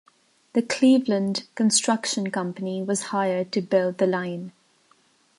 The Cleveland Construction Company was hired to build the line.